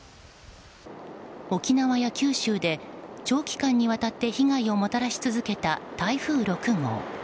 沖縄や九州で長期間にわたって被害をもたらし続けた台風６号。